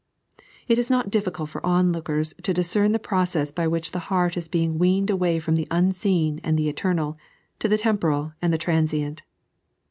It is not difficult for onlookers to discern the process by which the heart is being weaned away from the unseen and the eternal to the temporal and transient.